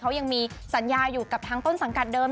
เขายังมีสัญญาอยู่กับทางต้นสังกัดเดิม